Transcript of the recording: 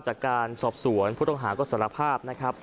จากการสอบสวนผู้ต้องหาก็สารภาพนะครับ